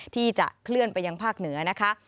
ที่จะเคลื่อนไปยังภาคเหนือนะคะ